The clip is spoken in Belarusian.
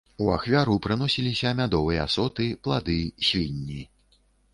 У ахвяру прыносіліся мядовыя соты, плады, свінні.